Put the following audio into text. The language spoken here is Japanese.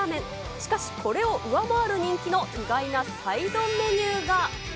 しかし、これを上回る人気の意外なサイドメニューが。